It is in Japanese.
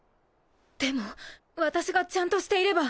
でも私がちゃんとしていれば。